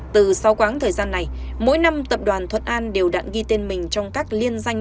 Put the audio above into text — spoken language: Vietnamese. từ sau quãng thời gian này mỗi năm tập đoàn thuận an đều đạn ghi tên mình trong các liên danh